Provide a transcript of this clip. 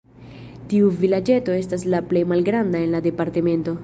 Tiu vilaĝeto estas la plej malgranda en la departemento.